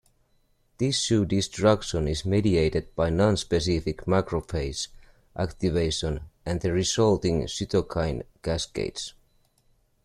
Tissue destruction is mediated by non-specific macrophage activation and the resulting cytokine cascades.